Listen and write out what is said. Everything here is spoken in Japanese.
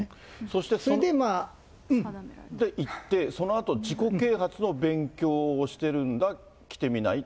そして行って、そのあと自己啓発の勉強をしてるんだ、来てみない？